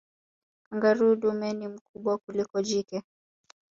kangaroo dume ni mkubwa kuliko jike